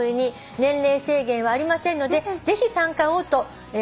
年齢制限はありませんのでぜひ参加をと」